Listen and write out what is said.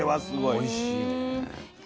おいしいね。